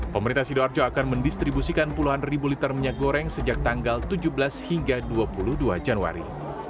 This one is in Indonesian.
pemerintah sidoarjo akan mendistribusikan puluhan ribu liter minyak goreng sejak tanggal tujuh belas hingga dua puluh dua januari